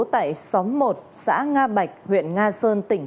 tại xóm một xã nga bạch huyện nga sơn tỉnh bình định